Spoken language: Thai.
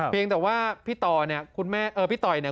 เพียงแต่ว่าพี่ต่อเนี่ยคุณแม่พี่ต่อยเนี่ย